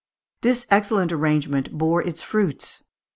This excellent arrangement bore its fruits.